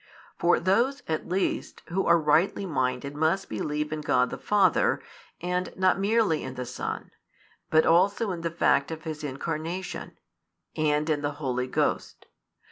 For those at least who are rightly minded must believe in God the Father, and not merely in the Son, but also in the fact of His Incarnation, and in the Holy Ghost.